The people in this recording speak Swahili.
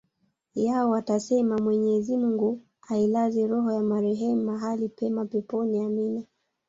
yao watasema mwenyezi mungu ailaze roho ya marehemu mahali pema peponi amina